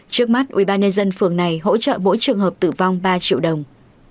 trước mắt ubnd phường này hỗ trợ mỗi trường hợp tử vong ba triệu đồng